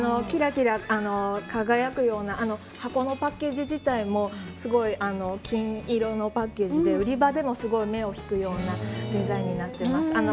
キラキラ輝くような箱のパッケージ自体もすごい金色のパッケージで売り場でも目を引くようなデザインになっています。